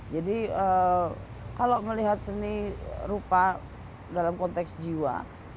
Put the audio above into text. jadi kalau melihat seni rupa dalam konteks jiwa